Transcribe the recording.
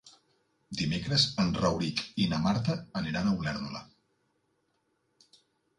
Dimecres en Rauric i na Marta aniran a Olèrdola.